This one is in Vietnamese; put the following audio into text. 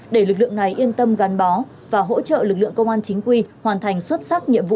để lực lượng này yên tâm gắn bó và hỗ trợ lực lượng công an chính quy hoàn thành xuất sắc nhiệm vụ